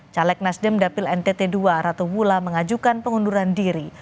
caleg nasdem dapil ntt ii ratu mula mengajukan pengunduran diri